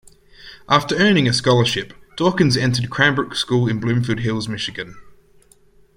After earning a scholarship, Dawkins entered Cranbrook School in Bloomfield Hills, Michigan.